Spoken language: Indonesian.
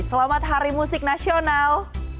selamat hari musik nasional